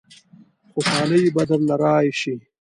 خوشالۍ به درله رايشي.